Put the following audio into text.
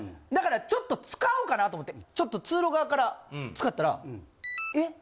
だからちょっと使おうかなってちょっと通路側から使ったらえ？